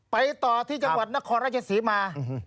ไปต่อที่จังหวัดนครราชศรีมา